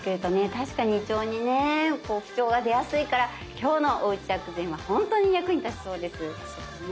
確かに胃腸にね不調が出やすいから今日のおうち薬膳は本当に役に立ちそうです。ね。